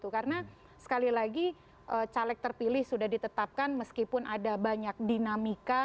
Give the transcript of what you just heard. karena sekali lagi caleg terpilih sudah ditetapkan meskipun ada banyak dinamika